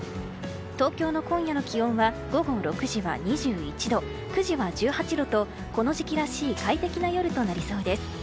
東京の今夜の気温は午後６時は２１度９時は１８度と、この時期らしい快適な夜となりそうです。